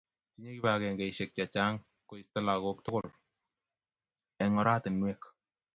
Tiemei kibagengeisiek che Chang koisto lagok tugul eng oratinwek